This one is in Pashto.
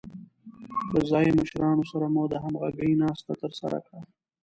له ځايي مشرانو سره مو د همغږۍ ناسته ترسره کړه.